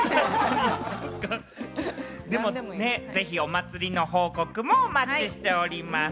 ぜひお祭りの報告もお待ちしております。